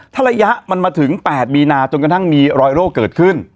ถ้าระยะมันมาถึง๘มีนาจนกระทั่งมีรอยโรคเกิดขึ้น